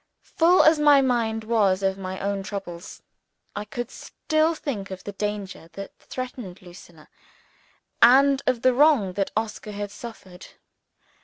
Full as my mind was of my own troubles, I could still think of the danger that threatened Lucilla, and of the wrong that Oscar had suffered.